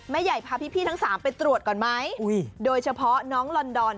ใหญ่พาพี่ทั้งสามไปตรวจก่อนไหมโดยเฉพาะน้องลอนดอน